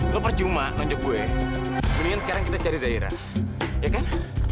lo percuma nganjuk gue mendingan sekarang kita cari zaira ya kan